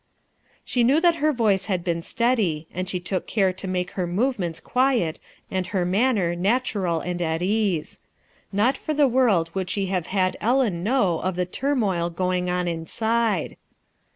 She knew that her voice had been steady, and she took care to make her movements quiet and her manner natural and at case. Not for the world would she have had Ellen know of the turmoil going on inside.